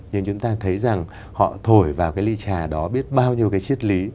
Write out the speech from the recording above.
nhưng chúng ta thấy rằng họ thổi vào cái ly trà đó biết bao nhiêu cái chiết lý